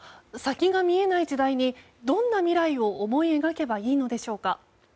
先が見えない時代にどんな未来を思い描けばいいのでしょうか。